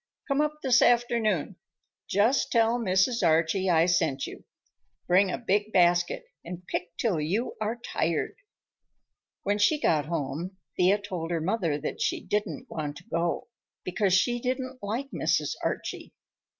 Come up this afternoon. Just tell Mrs. Archie I sent you. Bring a big basket and pick till you are tired." When she got home Thea told her mother that she didn't want to go, because she didn't like Mrs. Archie.